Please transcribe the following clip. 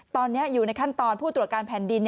ตอนนี้อยู่ในขั้นตอนผู้ตรวจการแผ่นดิน